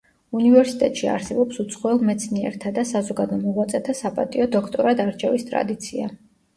უნივერსიტეტში არსებობს უცხოელ მეცნიერთა და საზოგადო მოღვაწეთა საპატიო დოქტორად არჩევის ტრადიცია.